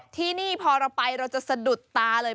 ที่นี่พอเราไปเราจะสะดุดตาเลย